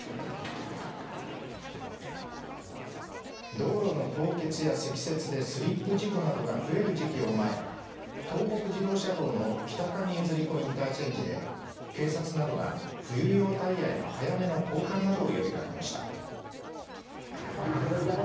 道路の凍結や積雪でスリップ事故などが増える時期を前に東北自動車道の北上江釣子インターチェンジで警察などが冬用タイヤへの早めの交換などを呼びかけました。